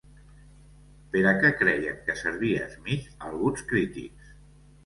Per a què creien que servia Smith alguns crítics?